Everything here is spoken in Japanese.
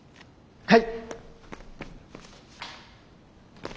はい。